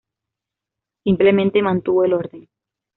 Simplemente mantuvo el orden.